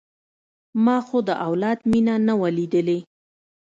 ما خو د اولاد مينه نه وه ليدلې.